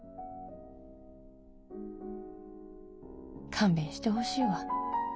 「勘弁してほしいわ。